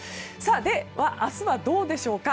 では明日はどうでしょうか。